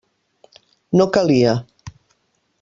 No calia.